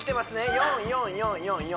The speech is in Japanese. ４４４４４